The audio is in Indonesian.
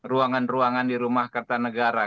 ruangan ruangan di rumah kerta negara